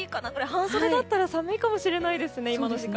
半袖だったら寒いかもしれません今の時間。